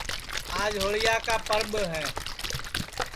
آج ہوݪیا کا پرٻ ہے